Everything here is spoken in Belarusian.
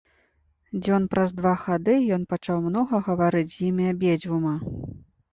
Дзён праз два хады ён пачаў многа гаварыць з імі абедзвюма.